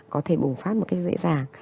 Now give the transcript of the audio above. có thể bùng phát một cách dễ dàng